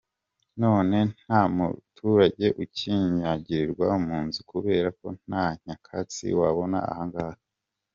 none nta muturage ukinyagirirwa mu nzu kubera ko nta nyakatsi wabona ahangaha, zaracyitse.